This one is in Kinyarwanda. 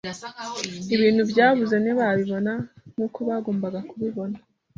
ibintu byabuze ntibabibona nk’uko bagombaga kubibona,